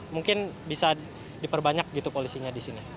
mungkin bisa diperbanyak gitu polisinya di sini